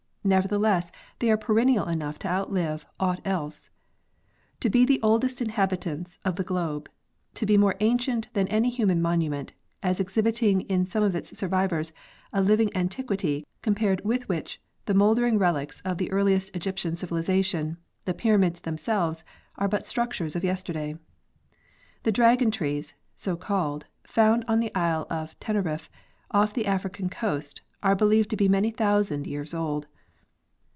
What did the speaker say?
Nevertheless they are perennial enough to outlive aught else, '' To be the oldest inhabitants of the globe, to be more ancient than any human monument, as exhibiting in some of its survivors a living antiquity compared with which the moulder ing relics of the earliest Egyptian civilization, the pyramids themselves, are but structures of yesterday." The dragon trees, so called, found on the island of Tenerife, off the African coast, are believed to be many thousand years old.